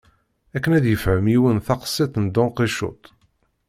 Akken ad yefhem yiwen taqsiṭ n Don Kicuṭ.